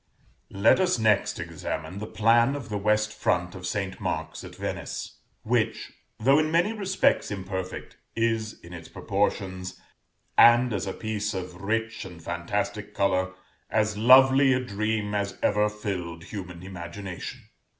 Let us next examine the plan of the west front of St. Mark's at Venice, which, though in many respects imperfect, is in its proportions, and as a piece of rich and fantastic color, as lovely a dream as ever filled human imagination.